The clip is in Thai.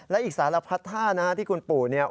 แล้วอีกสารพัฒนาที่คุณปู่